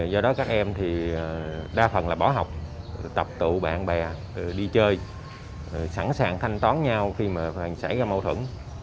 do đó các em thì đa phần là bỏ học tập tụ bạn bè đi chơi sẵn sàng thanh toán nhau khi mà xảy ra mâu thuẫn